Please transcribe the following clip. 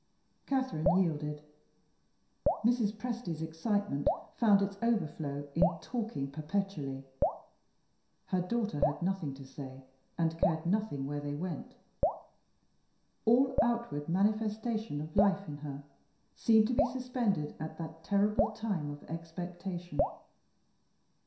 Catherine yielded. Mrs. Presty's excitement found its overflow in talking perpetually. Her daughter had nothing to say, and cared nothing where they went; all outward manifestation of life in her seemed to be suspended at that terrible time of expectation.